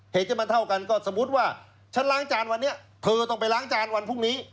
เหตุที่มันเท่ากันก็สมมุติว่าฉันล้างจานวันนี้เธอต้องไปล้างจานวันพรุ่งนี้